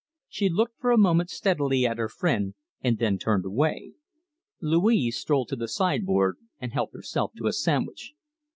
She looked for a moment steadily at her friend, and then turned away. Louise strolled to the sideboard and helped herself to a sandwich.